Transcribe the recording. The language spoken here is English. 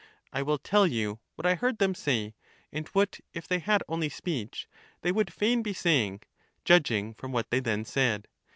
I will tell you what I heard them say, and what, if they had only speech, they would fain be saying, judging from what they then said.